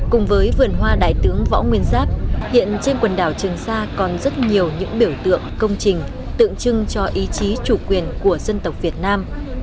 cùng với vườn hoa đại tướng võ nguyên giáp hiện trên quần đảo trường sa còn rất nhiều những biểu tượng công trình tượng trưng cho ý chí chủ quyền của dân tộc việt nam